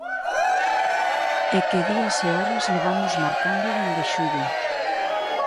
É que días e horas levamos marcando dende xullo.